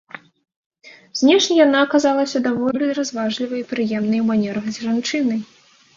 Знешне яна аказалася даволі разважлівай і прыемнай у манерах жанчынай.